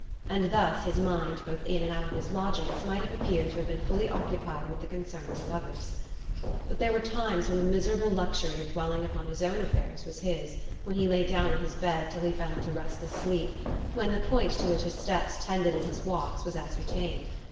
And thus his mind both in and out of his lodgings might have appeared to have been fully occupied with the concerns of others. But there were times when the miserable luxury of dwelling upon his own affairs was his when he lay down in his bed till he fell into restless sleep when the point to which his steps tended in his walks was ascertained.